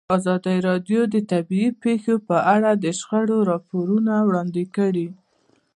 ازادي راډیو د طبیعي پېښې په اړه د شخړو راپورونه وړاندې کړي.